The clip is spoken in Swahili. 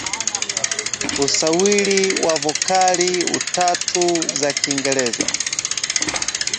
Usawiri wa vokali utatu za Kiingereza